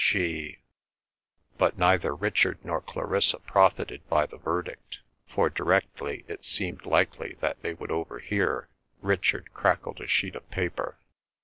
She—" But neither Richard nor Clarissa profited by the verdict, for directly it seemed likely that they would overhear, Richard crackled a sheet of paper.